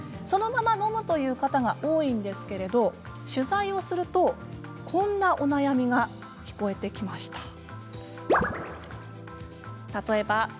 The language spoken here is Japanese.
そのまま飲むという方が多いんですけれど取材すると、こんなお悩みが聞こえてきました。